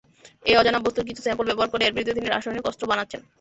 এই অজানা বস্তুর কিছু স্যাম্পল ব্যবহার করে এর বিরুদ্ধে তিনি রাসায়নিক অস্ত্র বানাচ্ছেন।